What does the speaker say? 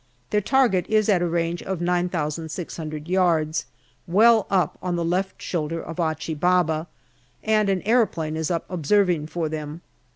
Their target is at a range of 9,600 yards, well up on the left shoulder of Achi Baba, and an aeroplane is up observing for them.